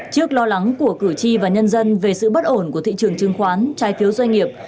trước lo lắng của cử tri và nhân dân về sự bất ổn của thị trường chứng khoán trái phiếu doanh nghiệp